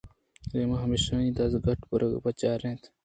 دائم ہمیشانی دزّگ ءُ برگ ءِ پچّار ءَ اِتنت